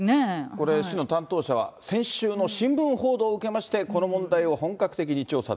これ、市の担当者は先週の新聞報道を受けまして、この問題を本格的に調査。